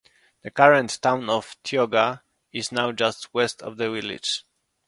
The current Town of Tioga is now just west of the village.